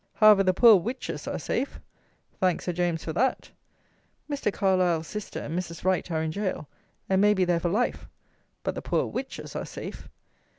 However, the poor witches are safe: thank Sir James for that. Mr. Carlile's sister and Mrs. Wright are in gaol, and may be there for life! But the poor witches are safe.